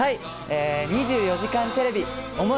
『２４時間テレビ想い